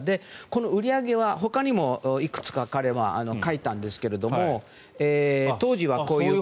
この売り上げはほかにもいくつか彼は描いたんですが当時はこういう。